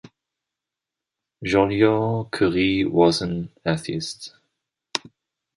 Joliot-Curie was an atheist.